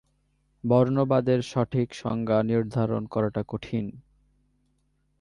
বর্ণবাদের সঠিক সংজ্ঞা নির্ধারণ করাটা কঠিন।